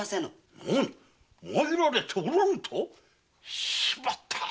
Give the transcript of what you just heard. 何⁉参られておらぬと⁉しまった！